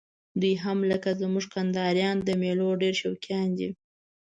دوی هم لکه زموږ کندهاریان د میلو ډېر شوقیان دي.